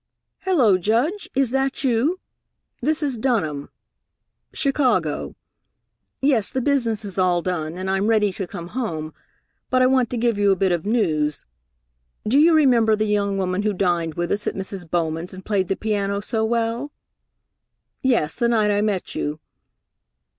"Hello, Judge! Is that you?... This is Dunham.... Chicago. Yes, the business is all done, and I'm ready to come home, but I want to give you a bit of news. Do you remember the young woman who dined with us at Mrs. Bowman's and played the piano so well?... Yes, the night I met you....